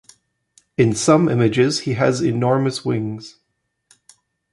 In some images he has enormous wings.